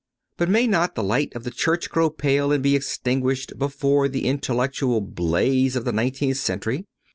But may not the light of the Church grow pale and be extinguished before the intellectual blaze of the nineteenth century?